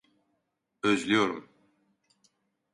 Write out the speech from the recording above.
Özlüyorum.